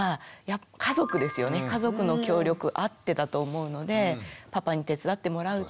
家族の協力あってだと思うのでパパに手伝ってもらうとか。